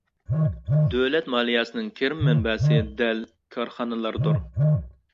دۆلەت مالىيەسىنىڭ كىرىم مەنبەسى دەل كارخانىلاردۇر.